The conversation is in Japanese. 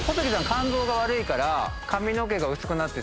肝臓が悪いから髪の毛が薄くなってっちゃう。